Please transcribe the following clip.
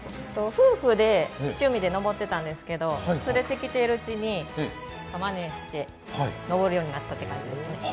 夫婦で趣味で登ってたんですけど、連れてきているうちにまねして登るようになりました。